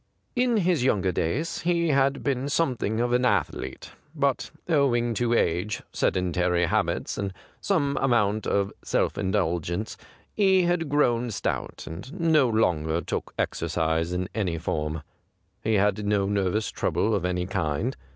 In his younger days he had been soinething of an athlete, but owing to age, sedentary habits, and some amount of self indulgence, he had grown stout, and no longer took exercise in any form. He had no nervous trouble of any kind.